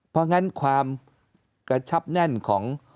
เพราะงั้นความกระชับแน่นของ